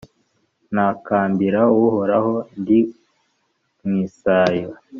Ntakambira Uhoraho ndi mw’ isayo,